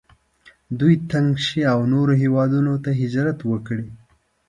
دوی تنګ شي او نورو هیوادونو ته هجرت وکړي.